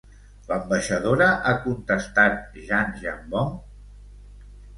L'ambaixadora ha contestat Jan Jambon?